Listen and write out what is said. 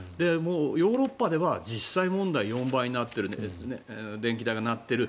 ヨーロッパでは実際問題、４倍に電気代がなっている。